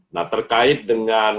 nah terkait dengan